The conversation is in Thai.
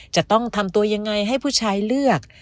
จะต้องทำตัวยังไงให้ผู้ชายเลือก